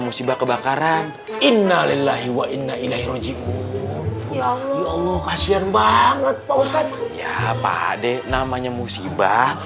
musibah kebakaran innalillahi wa inna ilahi rojiku ya allah kasian banget ya pak ade namanya musibah